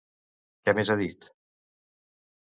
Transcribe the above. Què més ha dit?